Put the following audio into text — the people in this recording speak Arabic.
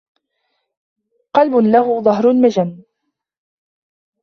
قلب له ظهر المِجَنِّ